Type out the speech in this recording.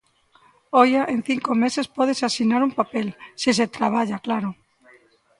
Oia en cinco meses pódese asinar un papel, se se traballa, claro.